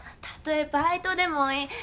たとえバイトでもいい。